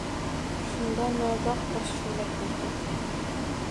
Shunda nogoh bir shuʼla koʼrdim